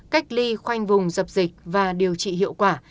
cách ly khoanh vùng dập dịch và điều trị hiệu quả